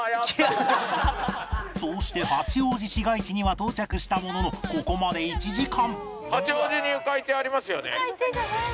そうして八王子市街地には到着したもののここまで１時間